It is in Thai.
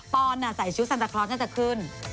อนใส่ชุดซันตาคลอสน่าจะขึ้น